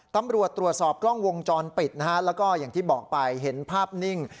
ตำรวจตรวจสอบกล้องวงจรปิดนะฮะแล้วก็อย่างที่บอกไปเห็นภาพนิ่ง